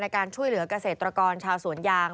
การช่วยเหลือกเกษตรกรชาวสวนยาง